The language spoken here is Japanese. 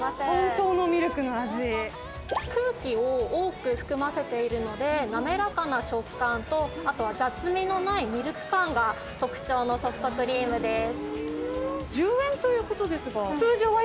空気を多く含ませているので滑らかな食感と雑味のないミルク感が特徴のソフトクリームです。